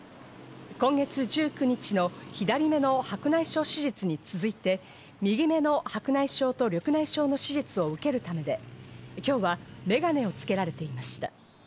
今月１９日の左眼の白内障手術に続いて、右目の白内障と緑内障の手術を受けるためで、今日はメガネを着けられていました。